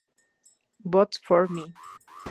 Vote For Me!